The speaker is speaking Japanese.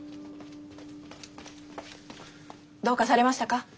どうかされましたか？